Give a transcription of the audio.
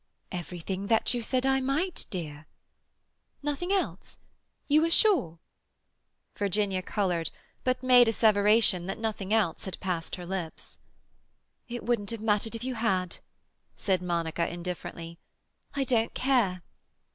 "Everything that you said I might, dear." "Nothing else—you are sure?" Virginia coloured, but made asseveration that nothing else had passed her lips. "It wouldn't have mattered if you had," said Monica indifferently. "I don't care."